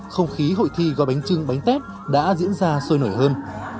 không khí hội thi gói bánh trưng bánh tép đã diễn ra sôi nổi hơn